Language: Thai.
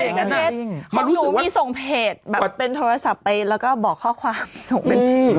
ของหนูส่งเผดแบบเป็นโทรศัพท์ไปเราก็บอกข้อความ